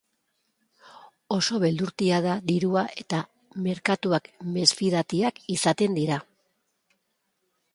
Oso beldurtia da dirua eta merkatuak mesfidatiak izaten dira.